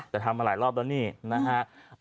แต่ทำมาหลายรอบแล้วนี่นะฮะ